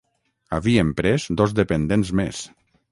Havien pres dos dependents més